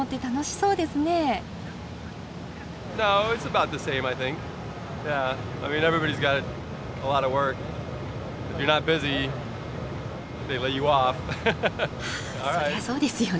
そりゃそうですよね。